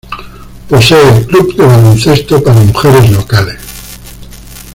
Posee club de baloncesto para mujeres locales.